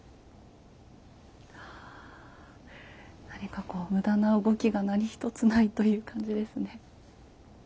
何かこう無駄な動きが何一つないという感じですね。